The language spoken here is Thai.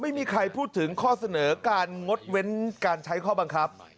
ไม่มีใครพูดถึงข้อเสนอการงดเว้นการใช้ข้อบังคับ